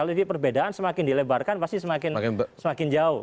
kalau ini perbedaan semakin dilebarkan pasti semakin jauh